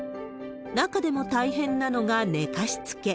中でも大変なのが寝かしつけ。